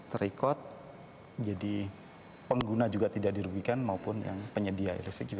terikut jadi pengguna juga tidak dirugikan maupun yang penyedia